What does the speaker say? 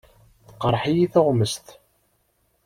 Teqreḥ-iyi tuɣmest.